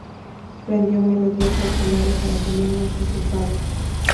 Aprendió melodías populares brasileñas de su padre.